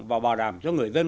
và bảo đảm cho người dân